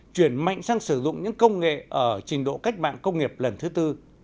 chuyển mạnh sang sử dụng những công nghệ ở trình độ cách mạng công nghiệp lần thứ tư